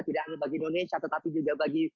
tidak hanya bagi indonesia tetapi juga bagi